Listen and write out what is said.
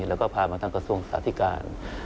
แล้วก็ผ่านมาทางกระทรวงสถาบัน